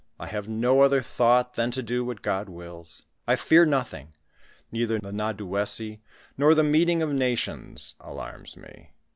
I have no other thought than to do what God wills. I fear nothing ; neither the Nadouessii, nor the meeting of nations alarms me.